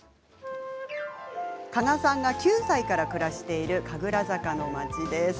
加賀さんが９歳から暮らしている神楽坂の街。